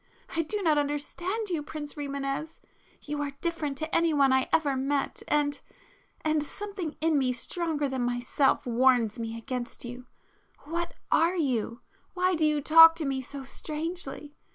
I do not understand you, Prince Rimânez,—you are different to anyone I ever met, and ... and ... something in me stronger than myself warns me against you. What are you?—why do you talk to me so strangely?